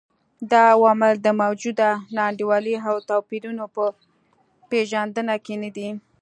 دا عوامل د موجوده نا انډولۍ او توپیرونو په پېژندنه کې نه دي.